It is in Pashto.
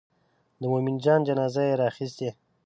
د مومن جان جنازه یې راخیستې.